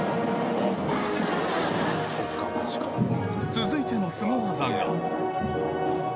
続いてのすご技が